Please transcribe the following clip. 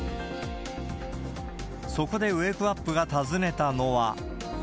そこでウェークアップが訪ねたのは。